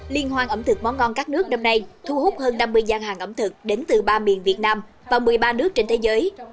liên hoan ẩm thực món ngon các nước năm nay thu hút hơn năm mươi gian hàng ẩm thực đến từ ba miền việt nam và một mươi ba nước trên thế giới